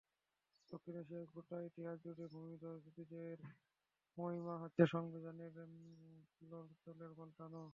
দক্ষিণ এশিয়ার গোটা ইতিহাসজুড়ে ভূমিধস বিজয়ের মহিমা হচ্ছে সংবিধানের খোলনলচে পাল্টানো।